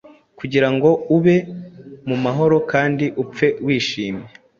Kugira ngo ubeho mu mahoro kandi upfe wishimye'.